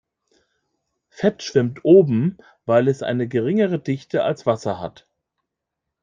Fett schwimmt oben, weil es eine geringere Dichte als Wasser hat.